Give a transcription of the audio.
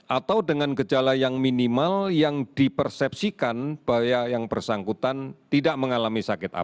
atau dengan gejala yang minimal yang dipersepsikan bahwa yang bersangkutan tidak mengalami sakit